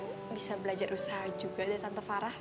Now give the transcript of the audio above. jadi reva mungkin bisa belajar usaha juga dari tante farah juga